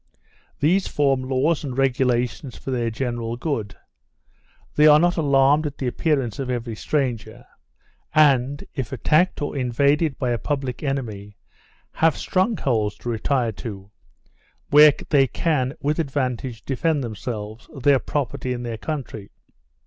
These form laws and regulations for their general good; they are not alarmed at the appearance of every stranger; and, if attacked or invaded by a public enemy, have strong holds to retire to, where they can with advantage defend themselves, their property, and their country.